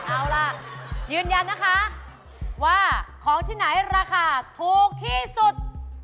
เอาล่ะยืนยันนะคะว่าของที่ไหนราคาถูกที่สุด